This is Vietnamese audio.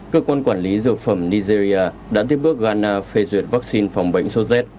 cơ quan quản lý dược phẩm nigeria đã tiếp bước ghana phê duyệt vaccine phòng bệnh sốt rét